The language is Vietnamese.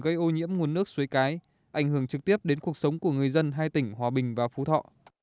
gây ô nhiễm nguồn nước suối cái ảnh hưởng trực tiếp đến cuộc sống của người dân hai tỉnh hòa bình và phú thọ